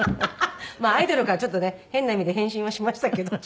まあアイドルからちょっとね変な意味で変身はしましたけど。